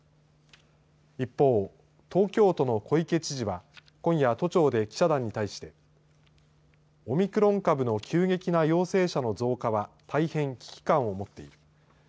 一方、東京都の小池知事は今夜、都庁で記者団に対してオミクロン株の急激な陽性者の増加は大変、危機感をもっている。